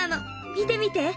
見てみて。